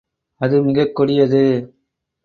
அது மிகக் கொடியது.